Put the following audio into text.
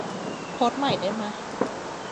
โพสต์ใหม่ได้มะ